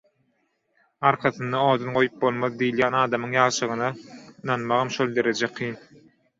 «Arkasynda odun goýup bolmaz» diýilýän adamyň ýagşygyna ynanmagam şol dereje kyn.